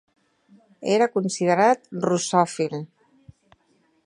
Era considerat russòfil.